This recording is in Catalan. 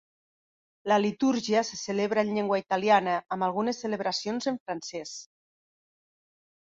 La litúrgia se celebra en llengua italiana, amb algunes celebracions en francès.